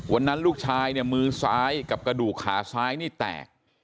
วันนั้นลูกชายเนี่ยมือซ้ายกับกระดูกขาซ้ายนี่แตก